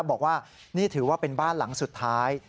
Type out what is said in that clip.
บอกว่านี่ถือว่าเป็นบ้านหลังสุดท้าย